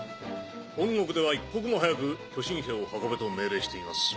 本国では一刻も早く巨神兵を運べと命令しています。